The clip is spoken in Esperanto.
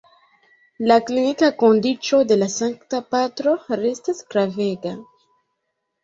La klinika kondiĉo de la Sankta Patro restas gravega.